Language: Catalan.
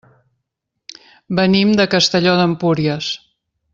Venim de Castelló d'Empúries.